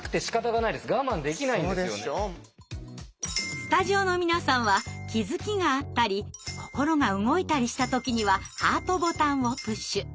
スタジオの皆さんは気づきがあったり心が動いたりした時にはハートボタンをプッシュ。